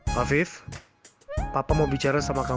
gak terselalu ada rada sya